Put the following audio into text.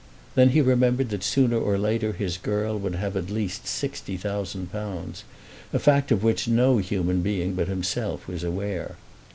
Then he remembered that sooner or later his girl would have at least £60,000, a fact of which no human being but himself was aware.